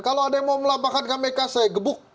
kalau ada yang mau melaporkan kpk saya gebuk